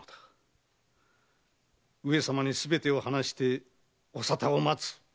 上様にすべてを話してお沙汰を待つ。